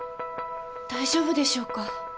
大丈夫でしょうか？